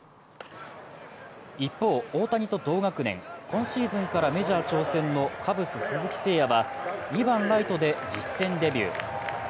一方、大谷と同学年、今シーズンからメジャー挑戦のカブス・鈴木誠也は、２番ライトで実戦デビュー。